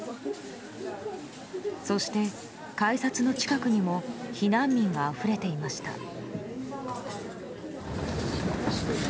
そして、改札の近くにも避難民があふれていました。